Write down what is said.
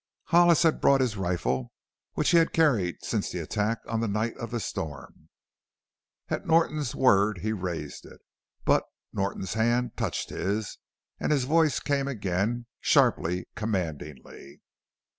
Hollis had brought his rifle, which he had carried since the attack on the night of the storm. At Norton's word he raised it. But Norton's hand touched his and his voice came again, sharply, commandingly.